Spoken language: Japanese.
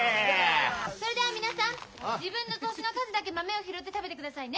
それでは皆さん自分の年の数だけ豆を拾って食べてくださいね。